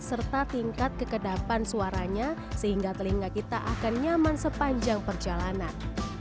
serta tingkat kekedapan suaranya sehingga telinga kita akan nyaman sepanjang perjalanan